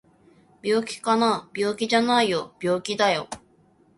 病気かな？病気じゃないよ病気だよ